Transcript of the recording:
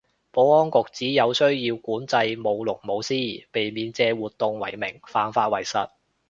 保安局指有需要管制舞龍舞獅，避免借活動為名犯法為實